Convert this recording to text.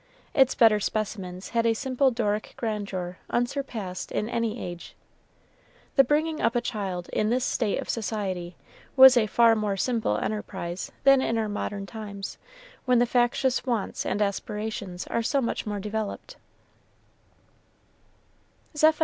Its better specimens had a simple Doric grandeur unsurpassed in any age. The bringing up a child in this state of society was a far more simple enterprise than in our modern times, when the factious wants and aspirations are so much more developed.